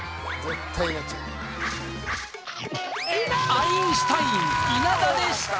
アインシュタイン稲田でした！